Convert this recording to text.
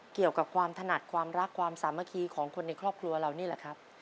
เกี่ยวกับความถนัดความรักความสามัคคีของคนในครอบครัวเรานี่แหละครับ